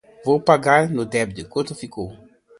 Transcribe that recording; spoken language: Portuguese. Vou pagar no débito. Quanto ficou?